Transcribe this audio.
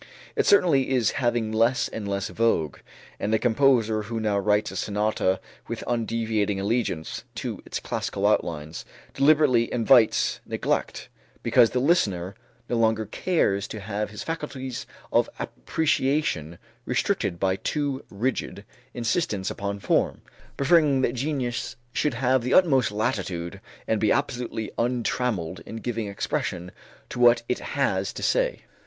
It certainly is having less and less vogue, and a composer who now writes a sonata with undeviating allegiance to its classical outlines, deliberately invites neglect, because the listener no longer cares to have his faculties of appreciation restricted by too rigid insistence upon form, preferring that genius should have the utmost latitude and be absolutely untrammeled in giving expression to what it has to say.